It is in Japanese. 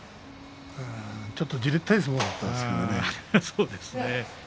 ちょっとじれったい相撲だったんですけどもね。